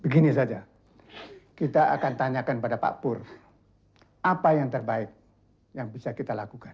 begini saja kita akan tanyakan pada pak pur apa yang terbaik yang bisa kita lakukan